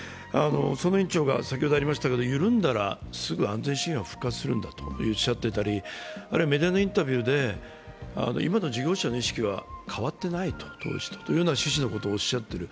その委員長が、緩んだらすぐ安全神話は復活するんだとおっしゃっていたりあるいはメディアのインタビューで、今の事業者の意識は当時と変わってないという趣旨のことをおっしゃっている。